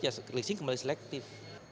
ya leasing kembali selektif